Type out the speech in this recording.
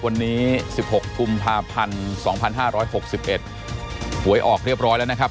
วันนี้๑๖กุมภาพันธ์๒๕๖๑หวยออกเรียบร้อยแล้วนะครับ